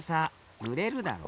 ぬれるだろ。